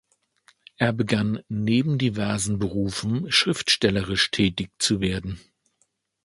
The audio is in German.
Er begann neben diversen Berufen schriftstellerisch tätig zu werden.